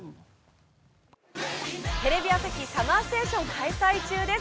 テレビ朝日ＳＵＭＭＥＲＳＴＡＴＩＯＮ開催中です。